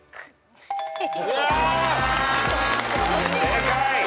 正解。